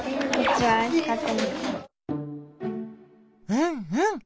うんうん。